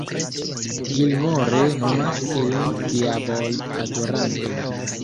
Gilmore nomas ilin "diabol-adorantoj.